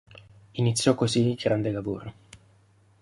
Iniziò così il grande lavoro.